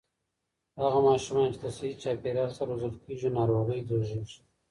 هغه ماشومان چې له صحي چاپېريال سره روزل کېږي، ناروغۍ لږېږي.